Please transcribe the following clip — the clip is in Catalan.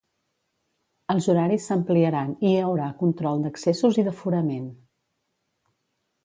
Els horaris s'ampliaran i hi haurà control d'accessos i d'aforament.